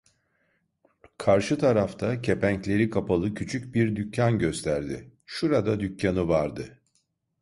Karşı tarafta, kepenkleri kapalı küçük bir dükkan gösterdi: "Şurada dükkanı vardı!"